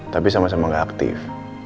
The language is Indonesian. tapi sama sama gak aktif